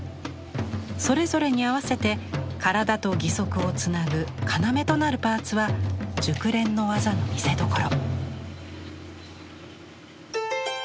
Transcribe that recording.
それぞれに合わせて体と義足をつなぐ要となるパーツは熟練の技の見せどころ。